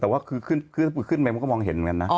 แต่ว่าคือถ้าขึ้นไปมันก็มองเห็นเหมือนกันนะ